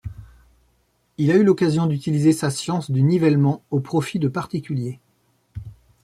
Il a eu l'occasion d'utiliser sa science du nivellement au profit de particuliers.